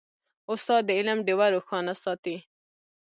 استاد د علم ډیوه روښانه ساتي.